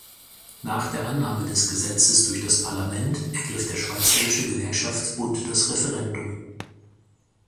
Nach der Annahme des Gesetzes durch das Parlament ergriff der Schweizerische Gewerkschaftsbund das Referendum.